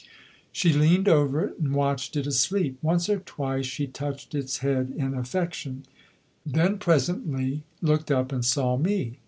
She leaned over it and watched it asleep. Once or twice she touched its head in affection; then presently looked up and saw me.